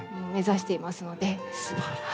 すばらしい。